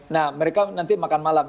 nah mereka nanti makan malam